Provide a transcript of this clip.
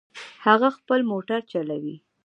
هغه خپل موټر چلوي